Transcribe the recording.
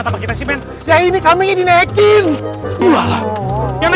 saya teman kambingnya